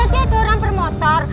ini dia ada orang bermotor